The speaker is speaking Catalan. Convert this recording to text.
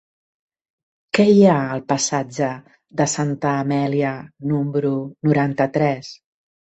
Què hi ha al passatge de Santa Amèlia número noranta-tres?